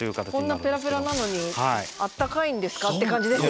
こんなペラペラなのに暖かいんですかって感じですよね。